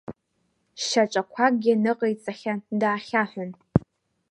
Шьаҿақуакгьы ныҟаиҵахьан, даахьаҳәын…